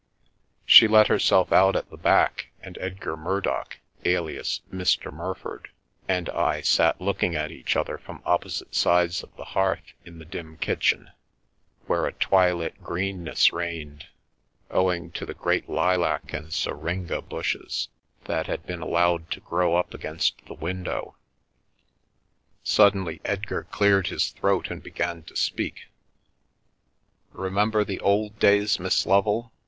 She let herself out at the back, and Edgar Murdock, alias " Mr. Murford," and I sat looking at each other from opposite sides of the hearth in the dim kitchen, where a twilit greenness reigned, ow Secrecy Farm ing to the great lilac and syringa bushes that had been allowed to grow up against the window. Suddenly Edgar cleared his throat and began to speak. Remember the old days, Miss Lovel ?